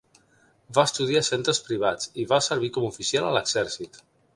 Va estudiar a centres privats i va servir com a oficial a l'exèrcit.